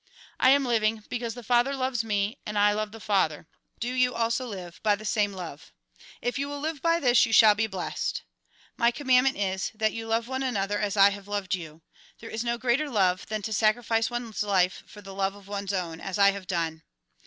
I am living, because the Father loves me and I love the Father ; do you also live by the same love. If you will live by this, you shall be blessed. "My commandment is, that you love one another as I have loved you. There is no greater love than to sacrifice one's life for the love of one's own, as I have done.